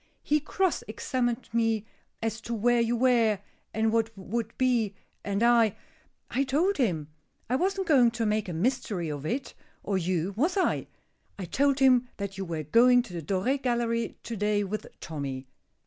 "He cross examined me as to where you were, and would be, and I I told him. I wasn't going to make a mystery of it, or you, was I? I told him that you were going to the Doré Gallery to day with Tommy.